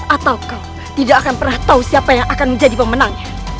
atau kau tidak akan pernah tahu siapa yang akan menjadi pemenangnya